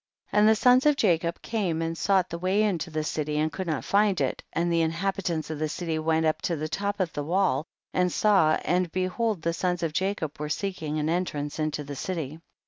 25. And the sons of Jacob came and sought the way into the city, and could not find it, and the inhabitants of the city went up to the top of the wall, and saw, and behold the sons of Jacob were seeking an entrance into the city.